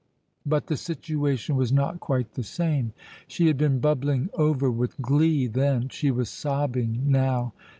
But the situation was not quite the same. She had been bubbling over with glee then; she was sobbing now.